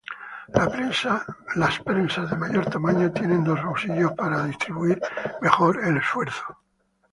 Las prensas de mayor tamaño tienen dos husillos para distribuir mejor el esfuerzo.